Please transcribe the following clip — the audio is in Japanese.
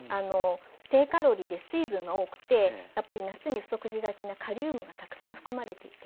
低カロリーで水分が多くてやっぱり夏に不足しがちなカリウムがたくさん含まれていて。